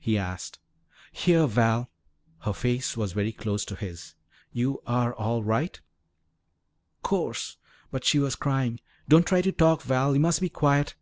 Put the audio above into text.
he asked. "Here, Val." Her face was very close to his. "You are all right?" "'Course!" But she was crying. "Don't try to talk, Val. You must be quiet."